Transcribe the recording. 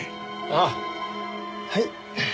あっはい。